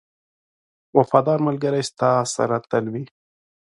• وفادار ملګری ستا سره تل وي.